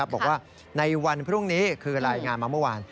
บอกว่าในวันพรุ่งนี้คือรายงานมาเมื่อวาน